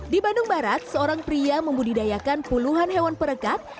di bandung barat seorang pria membudidayakan puluhan hewan perekat